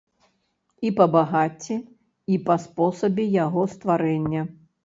І па багацці, і па спосабе яго стварэння.